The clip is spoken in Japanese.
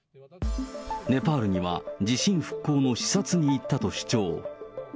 ネパールには地震復興の視察に行ったと主張。